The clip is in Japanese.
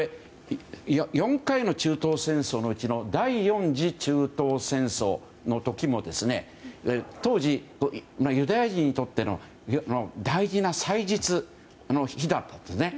４回の中東戦争のうちの第４次中東戦争の時も当時、ユダヤ人にとっての大事な祭日の日だったんですね。